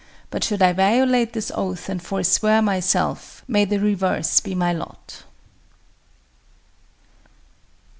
But should I violate this oath and forswear myself, may the reverse be my lot."